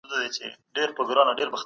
استقامت د انسان د بري لپاره اړين دی.